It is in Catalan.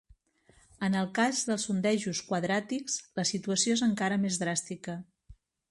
En el cas dels sondejos quadràtics, la situació és encara més dràstica.